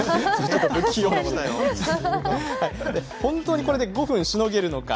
本当に、これで５分しのげるのか。